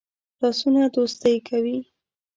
لاسونه دوستی کوي